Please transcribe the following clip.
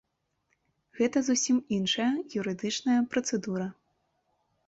Гэта зусім іншая юрыдычная працэдура.